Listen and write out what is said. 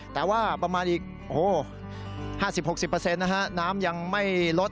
แต่ว่าประมาณอีก๕๐๖๐นะฮะน้ำยังไม่ลด